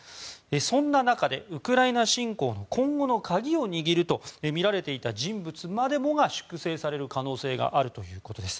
そんな中でウクライナ侵攻の今後の鍵を握るとみられていた人物までもが粛清される可能性があるということです。